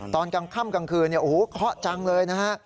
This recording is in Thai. ตอนกลางค่ำกลางคืนเนี่ยโอ้โหเคาะจังเลยนะฮะ